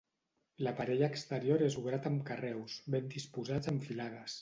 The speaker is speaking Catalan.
L'aparell exterior és obrat amb carreus ben disposats en filades.